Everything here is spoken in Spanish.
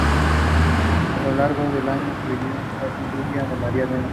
A lo largo del año, cayendo casi sin lluvia en María Elena.